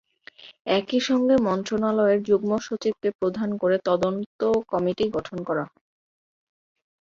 একই সঙ্গে মন্ত্রণালয়ের যুগ্ম সচিবকে প্রধান করে তদন্ত কমিটি গঠন করা হয়।